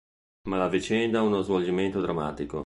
Ma la vicenda ha uno svolgimento drammatico.